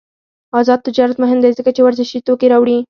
آزاد تجارت مهم دی ځکه چې ورزشي توکي راوړي.